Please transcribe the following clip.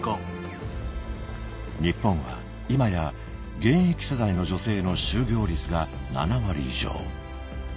日本は今や現役世代の女性の就業率が７割以上。